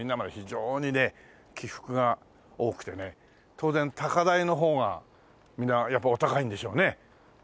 当然高台の方がみんなやっぱりお高いんでしょうね。